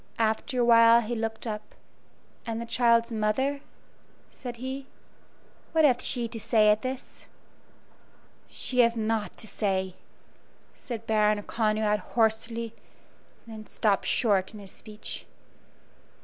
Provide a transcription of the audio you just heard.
After a while he looked up. "And the child's mother," said he "what hath she to say at this?" "She hath naught to say," said Baron Conrad, hoarsely, and then stopped short in his speech.